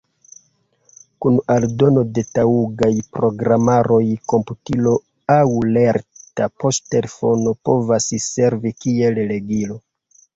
Kun aldono de taŭgaj programaroj komputilo aŭ lerta poŝtelefono povas servi kiel legilo.